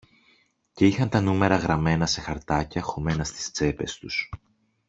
και είχαν τα νούμερα γραμμένα σε χαρτάκια χωμένα στις τσέπες τους